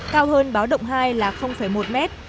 cao hơn báo động hai là một mét